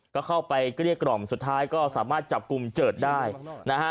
ก็เข้าไปเกลี้ยกล่อมสุดท้ายก็สามารถจับกลุ่มเจิดได้นะฮะ